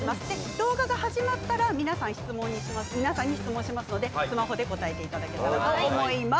動画が始まったら皆さんに質問しますのでスマホで答えていただけたらと思います。